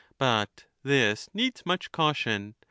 But this needs much caution.